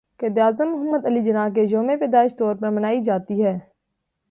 قائد اعظم محمد علی جناح کے يوم پیدائش طور پر منائی جاتى ہے